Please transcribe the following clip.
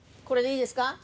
これでいいですか？